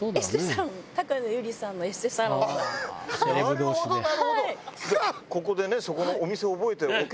なるほどなるほど！